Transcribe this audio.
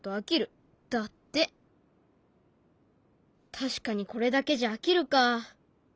確かにこれだけじゃ飽きるか。